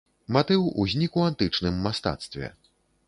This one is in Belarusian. Матыў узнік у антычным мастацтве.